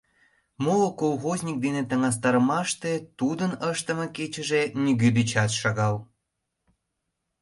Моло колхозник дене таҥастарымаште тудын ыштыме кечыже нигӧ дечат шагал.